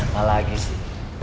gak apa lagi sih